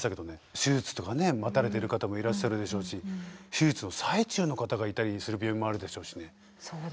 手術とかね待たれてる方もいらっしゃるでしょうし手術の最中の方がいたりする病院もあるでしょうしね。